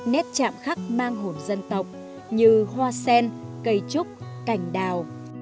nét chạm khắc mang hồn dân tộc như hoa sen cây trúc cành đào